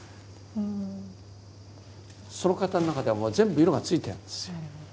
その方の中ではもう全部色がついてるんですよ。